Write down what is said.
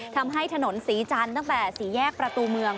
ทำให้ถนนศรีจันทร์ตั้งแต่สี่แยกประตูเมือง